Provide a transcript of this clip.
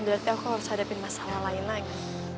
berarti aku harus hadapin masalah lain lagi